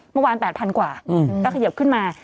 เมื่อวาน๘๐๐๐กว่าก็เขยิบขึ้นมา